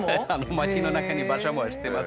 街の中に馬車も走ってます。